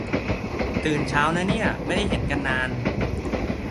ตื่นเช้านะเนี่ย ไม่ได้เห็นกันนาน